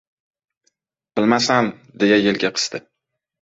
— Bilmasam, — deya yelka qisdi.